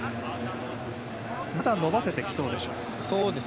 まだ伸ばせてきそうでしょうか。